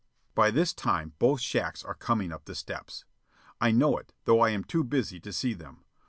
By this time both shacks are coming up the steps. I know it, though I am too busy to see them.